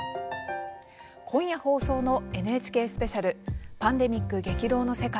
今夜放送のＮＨＫスペシャル「パンデミック激動の世界」